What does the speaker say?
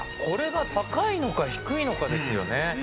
これが高いのか低いのかですよね。